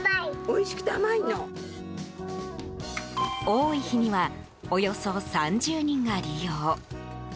多い日にはおよそ３０人が利用。